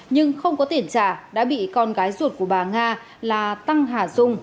nhưng không có tiền trả đã bị con gái ruột của bà nga là tăng hà dung